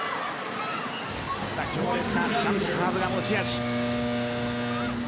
強烈なジャンプサーブが持ち味。